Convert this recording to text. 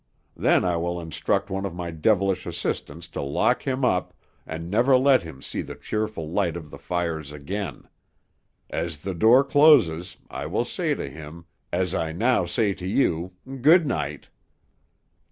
Then I will instruct one of my devilish assistants to lock him up, and never let him see the cheerful light of the fires again. As the door closes, I will say to him, as I now say to you, Good night."